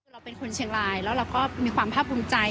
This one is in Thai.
คือเราเป็นคนเชียงรายแล้วเราก็มีความภาพภูมิใจ